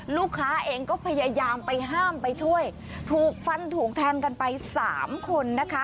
ลูกค้าเองก็พยายามไปห้ามไปช่วยถูกฟันถูกแทงกันไปสามคนนะคะ